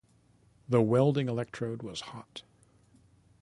The welding electrode was hot.